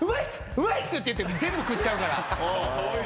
うまいっす！」って言って全部食っちゃうから。